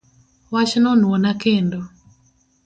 Wachno nuona kendo